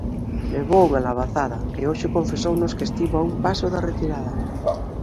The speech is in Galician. Levou unha labazada e hoxe confesounos que estivo a un paso da retirada.